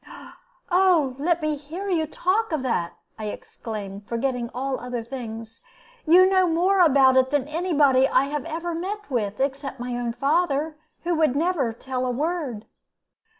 "Oh, only let me hear you talk of that!" I exclaimed, forgetting all other things. "You know more about it than any body I have ever met with, except my own father, who would never tell a word."